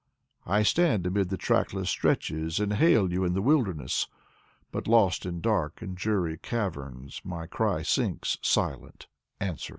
I stand amid the trackless stretches And hail you in the wilderness; But lost in dark and dreary caverns My cry sinks silent, answerless.